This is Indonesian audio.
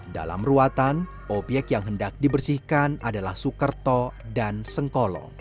dalam ruatan obyek yang hendak dibersihkan adalah sukerto dan sengkolo